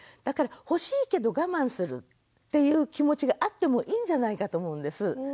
だから欲しいけど我慢するっていう気持ちがあってもいいんじゃないかと思うんです。